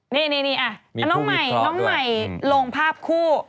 นี่น้องใหม่ลงภาพคู่